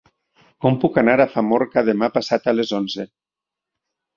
Com puc anar a Famorca demà passat a les onze?